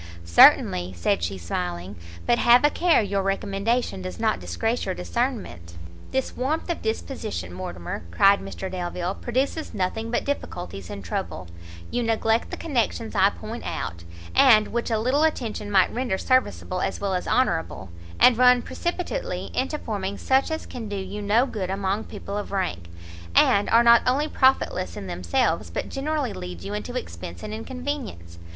"Certainly;" said she, smiling; "but have a care your recommendation does not disgrace your discernment." "This warmth of disposition, Mortimer," cried Mr Delvile, "produces nothing but difficulties and trouble: you neglect the connections I point out, and which a little attention might render serviceable as well as honourable, and run precipitately into forming such as can do you no good among people of rank, and are not only profitless in themselves, but generally lead you into expence and inconvenience.